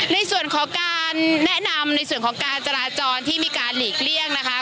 ในส่วนของการแนะนำในส่วนของการจราจรที่มีการหลีกเลี่ยงนะคะ